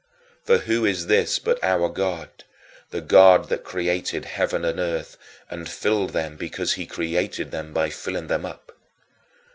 And who is this but our God: the God that created heaven and earth, and filled them because he created them by filling them up?